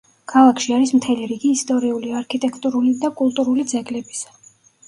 ქალაქში არის მთელი რიგი ისტორიული, არქიტექტურული და კულტურული ძეგლებისა.